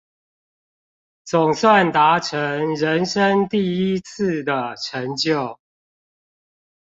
總算達成人生第一次的成就